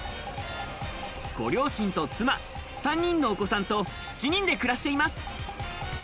ご両親と妻、３人のお子さんと７人で暮らしています。